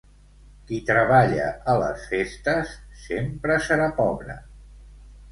Qui treballa a les festes, sempre serà pobre.